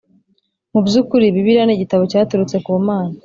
Mu by ukuri Bibiliya ni igitabo cyaturutse ku Mana